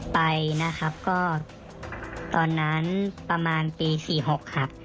ไปนะครับก็ตอนนั้นประมาณปี๔๖ครับ